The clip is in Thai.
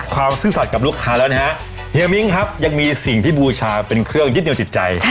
ซื่อสัตว์กับลูกค้าแล้วนะฮะเฮียมิ้งครับยังมีสิ่งที่บูชาเป็นเครื่องยึดเหนียวจิตใจ